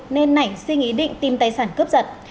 nên nảnh xin ý định tìm tài sản cướp giật